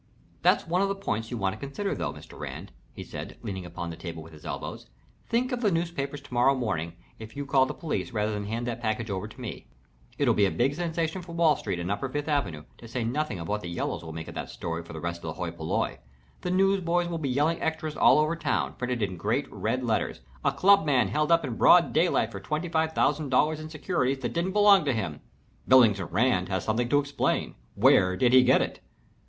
"That's one of the points you want to consider, though, Mr. Rand," he said, leaning upon the table with his elbows. "Think of the newspapers to morrow morning if you call the police rather than hand that package over to me. It'll be a big sensation for Wall Street and upper Fifth Avenue, to say nothing of what the yellows will make of the story for the rest of hoi polloi. The newsboys will be yelling extras all over town, printed in great, red letters, 'A Club man Held Up in Broad Daylight, For $25,000 In Securities That Didn't Belong to Him. Billington Rand Has Something To Explain. Where Did He Get It?